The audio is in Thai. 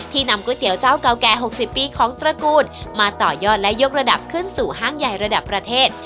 นำก๋วยเตี๋ยวเจ้าเก่าแก่๖๐ปีของตระกูลมาต่อยอดและยกระดับขึ้นสู่ห้างใหญ่ระดับประเทศ